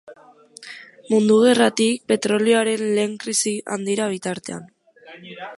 Mundu Gerratik petrolioaren lehen krisi handira bitartean.